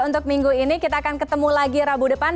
untuk minggu ini kita akan ketemu lagi rabu depan